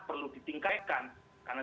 perlu ditingkatkan karena